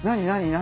何？